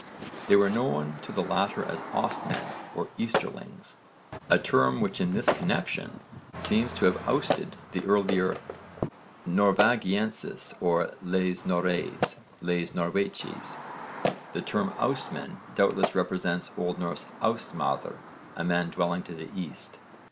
They were known to the latter as 'Ostmen' or 'Easterlings,' a term which in this connexion seems to have ousted the earlier Norvagienses or les Norreys, les Norwicheis. The term 'Ostman' doubtless represents O.N. Austmaðr, a man dwelling to the east.